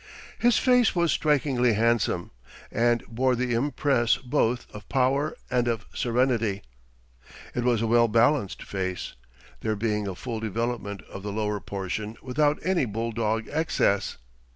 His face was strikingly handsome, and bore the impress both of power and of serenity. It was a well balanced face; there being a full development of the lower portion without any bull dog excess.